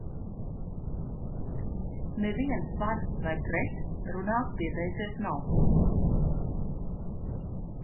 "Neviens "par" vai "pret" runāt pieteicies nav."